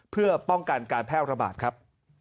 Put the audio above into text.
เพื่อป้องกันการแพร่ระบาดครับ